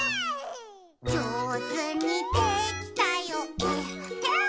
「じょうずにできたよえっへん」